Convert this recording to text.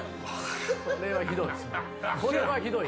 これはひどい。